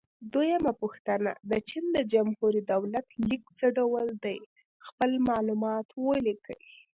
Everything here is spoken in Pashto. دویمه پوښتنه: د چین د جمهوري دولت لیک څه ډول دی؟ خپل معلومات ولیکئ.